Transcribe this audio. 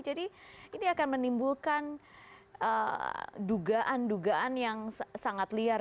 jadi ini akan menimbulkan dugaan dugaan yang sangat liar